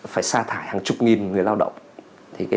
phải xa thải hàng chục nghìn người lao động